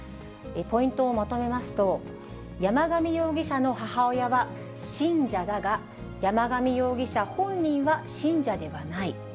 ポイントをまとめますと、山上容疑者の母親は信者だが、山上容疑者本人は信者ではない。